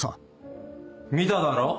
見ただろ？